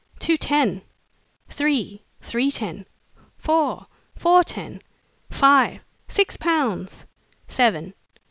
"Two ten!" "Three!" "Three ten!" "Four!" "Four ten!" "Five!" "Six pounds!" "Seven!"